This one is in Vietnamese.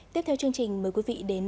tiếp theo chương trình mời quý vị đến